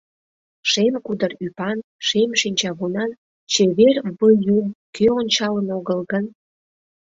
Шем кудыр ӱпан, шем шинчавунан чевер Выюм кӧ ончалын огыл гын!